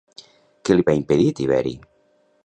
Què li va impedir Tiberi?